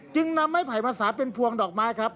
จึงนำไม้ไผ่ภาษาเป็นพวงดอกไม้ครับ